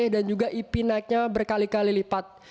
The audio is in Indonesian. dan juga ip naiknya berkali kali lipat